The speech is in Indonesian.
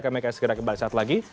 kami akan segera kembali saat lagi